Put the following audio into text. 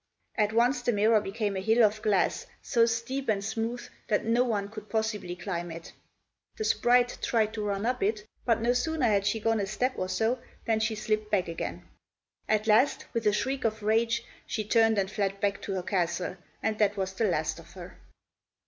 At once the mirror became a hill of glass so steep and smooth that no one could possibly climb it. The sprite tried to run up it, but no sooner had she gone a step or so than she slipped back again. At last, with a shriek of rage, she turned and fled back to her castle, and that was the last of her.